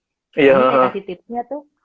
itu yang kasih tipsnya tuh